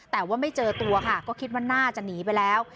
แต่ว่าไม่เจอตัวค่ะก็คิดว่าน่าจะหนีไปแล้ว